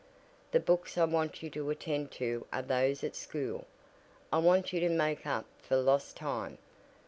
"The books I want you to attend to are those at school I want you to make up for lost time.